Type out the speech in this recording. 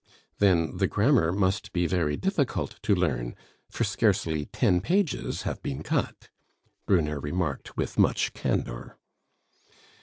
"Then the grammar must be very difficult to learn, for scarcely ten pages have been cut " Brunner remarked with much candor.